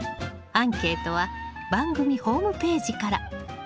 アンケートは番組ホームページから。